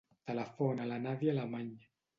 Telefona a la Nàdia Alemany.